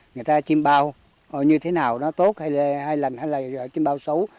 người ta chìm bao như thế nào nó tốt hay là hai lần hay là chìm bao xấu